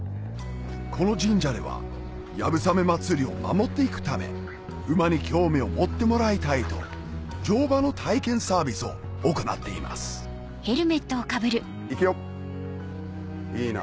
この神社では流鏑馬祭りを守っていくため馬に興味を持ってもらいたいと乗馬の体験サービスを行っていますいくよいいな。